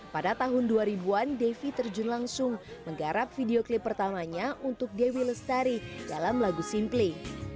pada tahun dua ribu an devi terjun langsung menggarap video klip pertamanya untuk dewi lestari dalam lagu simply